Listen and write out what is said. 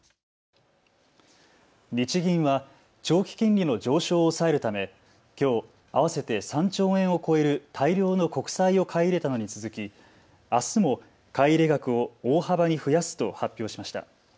日銀は長期金利の上昇を抑えるためきょう合わせて３兆円を超える大量の国債を買い入れたのに続きあすも買い入れ額を大幅に増やすと発表しました。